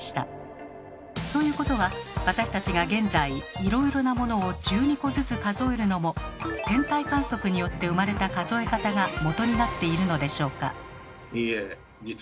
ということは私たちが現在いろいろなものを１２個ずつ数えるのも天体観測によって生まれた数え方がもとになっているのでしょうか？